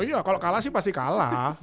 iya kalau kalah sih pasti kalah